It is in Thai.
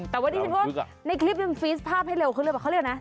แต่วันนี้พวกในคลิปนึงฟีสภาพให้เร็วขึ้นเลยป่ะเขาเรียกว่านะ